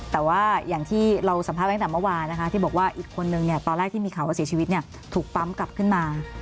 แต่ว่าอย่างที่เราสัมภาษณ์ตั้งแต่เมื่อวานนะคะที่บอกว่าอีกคนนึงตอนแรกที่มีข่าวว่าเสียชีวิตถูกปั๊มกลับขึ้นมา